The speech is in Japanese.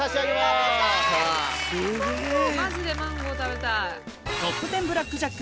マジでマンゴー食べたい。